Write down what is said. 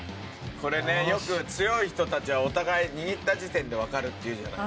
これねよく強い人たちはお互い握った時点でわかるっていうじゃない。